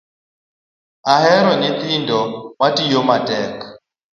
Ahero nyithindo matiyo matek